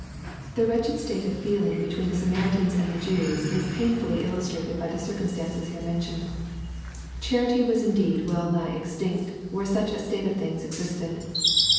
] The wretched state of feeling be tween Qie Samaritans and the Jews, is painfully illustrated by the circumstances here mentioned. Charity was indeed well nigh extinct, where such a state of things existed.